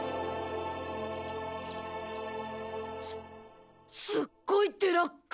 すすっごいデラックス！